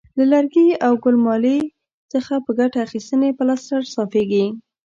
له لرګي او ګل مالې څخه په ګټه اخیستنې پلستر صافیږي.